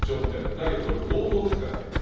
だけど、これ強盗ですからね。